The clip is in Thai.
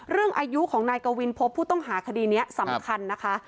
อายุของนายกวินพบผู้ต้องหาคดีนี้สำคัญนะคะ